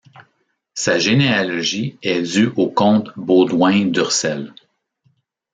Sa généalogie est due au comte Baudouin d’Ursel.